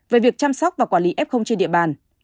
về việc chăm sóc và quản lý f trên địa bàn